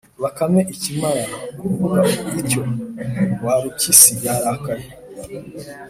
Bakame ikimara kuvuga ityo, Warupyisi yarakaye